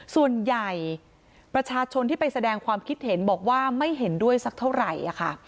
ส่วนใหญ่ประชาชนที่ไปแสดงความคิดเห็นบอกว่าไม่เห็นด้วยสักเท่าไหร่ค่ะ